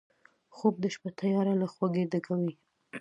خوب د شپه تیاره له خوږۍ ډکوي